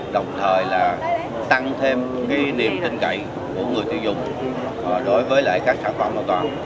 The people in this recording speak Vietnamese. đồng thời là tăng thêm niềm tin cậy của người tiêu dùng đối với các sản phẩm an toàn